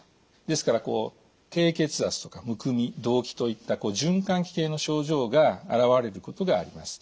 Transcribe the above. ですから低血圧とかむくみ動悸といった循環器系の症状が現れることがあります。